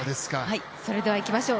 それではいきましょう。